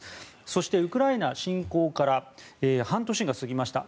そして、ウクライナ侵攻から半年が過ぎました。